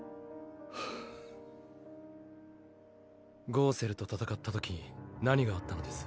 ゴウセルと戦ったとき何があったのです？